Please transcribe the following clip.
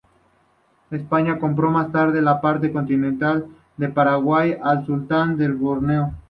España compró más tarde la parte continental de Paragua al sultán de Borneo.